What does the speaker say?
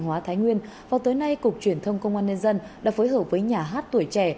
hóa thái nguyên vào tối nay cục truyền thông công an nhân dân đã phối hợp với nhà hát tuổi trẻ